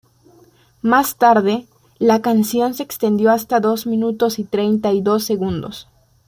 Más tarde, la canción se extendió hasta dos minutos y treinta y dos segundos.